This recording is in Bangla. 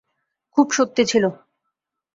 খুব সত্যি ছিল।